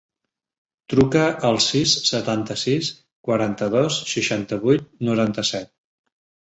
Truca al sis, setanta-sis, quaranta-dos, seixanta-vuit, noranta-set.